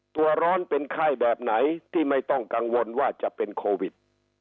ตัวร้อนเป็นไข้แบบไหนที่ไม่ต้องกังวลว่าจะเป็นโควิด